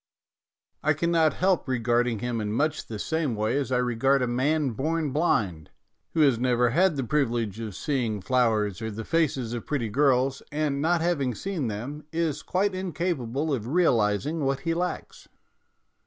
I cannot help regarding him in much the same way as I regard a man born blind, who has never had the privilege of seeing flowers or the faces of pretty girls, and, not 162 MONOLOGUES having seen them, is quite incapable of realizing what he lacks.